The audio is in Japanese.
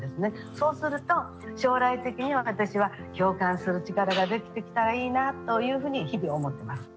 そうすると将来的に私は共感する力ができてきたらいいなというふうに日々思ってます。